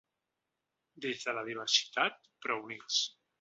Des de la diversitat però units.